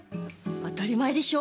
当たり前でしょう。